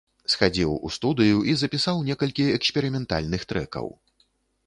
Схадзіў у студыю і запісаў некалькі эксперыментальных трэкаў.